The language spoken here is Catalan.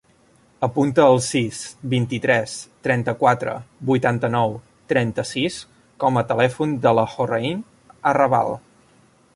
Apunta el sis, vint-i-tres, trenta-quatre, vuitanta-nou, trenta-sis com a telèfon de la Hoorain Arrabal.